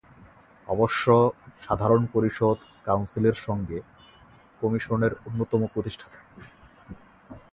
অবশ্য, সাধারণ পরিষদ, কাউন্সিলের সঙ্গে, কমিশনের অন্যতম প্রতিষ্ঠাতা।